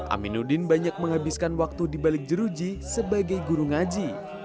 aminuddin banyak menghabiskan waktu dibalik jeruji sebagai guru ngaji